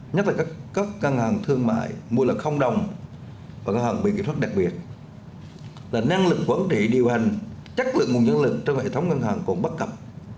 nhất là các ngân hàng thương mại mua lợi không đồng và ngân hàng bị kỹ thuật đặc biệt là năng lực quản trị điều hành chắc lượng nguồn nhân lực trong hệ thống ngân hàng còn bất cập